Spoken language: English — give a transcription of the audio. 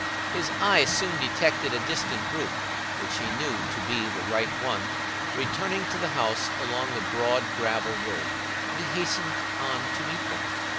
His eye soon detected a distant group, which he knew to be the right one, returning to the house along the broad gravel road, and he hastened on to meet them.